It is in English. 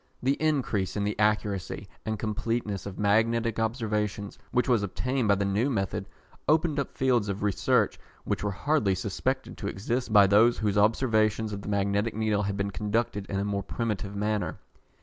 The increase in the accuracy and completeness of magnetic observations which was obtained by the new method, opened up fields of research which were hardly suspected to exist by those whose observations of the magnetic needle had been conducted in a more primitive manner.